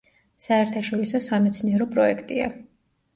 საერთაშორისო სამეცნიერო პროექტია.